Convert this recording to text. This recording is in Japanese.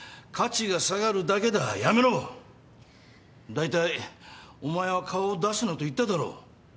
だいたいお前は顔を出すなと言っただろ。